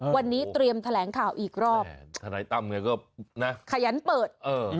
วันนี้เตรียมแถลงข่าวอีกรอบทนายตั้มไงก็นะขยันเปิดเออ